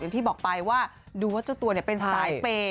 อย่างที่บอกไปว่าดูว่าตัวตัวเนี่ยเป็นสไลด์เปย์